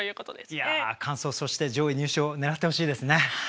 いや完走そして上位入賞を狙ってほしいですね。